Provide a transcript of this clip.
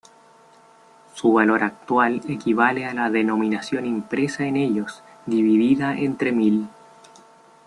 Su valor actual equivale a la denominación impresa en ellos, dividida entre mil.